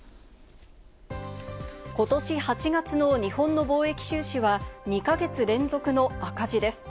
ことし８月の日本の貿易収支は２か月連続の赤字です。